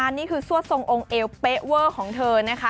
นี่คือซั่วทรงองค์เอวเป๊ะเวอร์ของเธอนะคะ